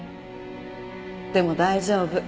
でも大丈夫。